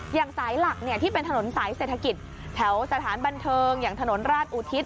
อย่างสายหลักที่เป็นถนนสายเศรษฐกิจแถวสถานบันเทิงอย่างถนนราชอุทิศ